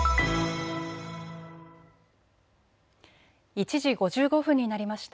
１時５５分になりました。